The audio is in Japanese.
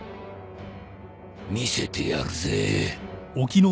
見せてやるぜ。